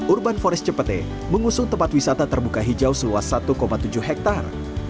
urban forest cepete mengusung tempat wisata terbuka hijau seluas satu tujuh hektare